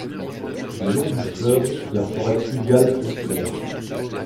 Le long du fleuve la forêt pluviale prospère.